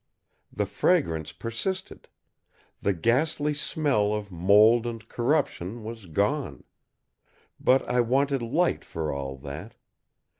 The fragrance persisted; the ghastly smell of mould and corruption was gone. But I wanted light for all that!